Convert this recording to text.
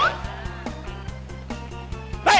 เฮ่ย